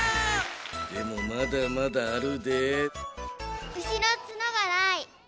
でもまだまだあるで。